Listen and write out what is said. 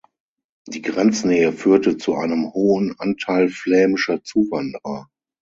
Die Grenznähe führte zu einem hohen Anteil flämischer Zuwanderer.